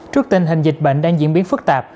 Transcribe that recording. trước tình hình dịch bệnh đang diễn biến phức tạp